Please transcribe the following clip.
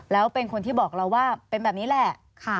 แล้วเป็นคนที่บอกเราว่าเป็นแบบนี้แหละ